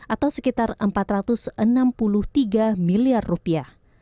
atau sekitar empat ratus enam puluh tiga miliar rupiah